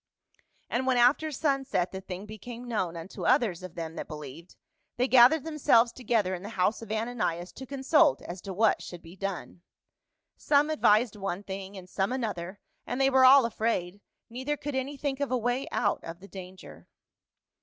And when after sunset the thing became known unto others of them that believed, they gathered themselves together in the house of Ananias to consult as to what should be done. Some advised one thing and some another, and they were all afraid, neither could any think of a way out of the danger.